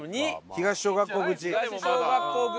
東小学校口。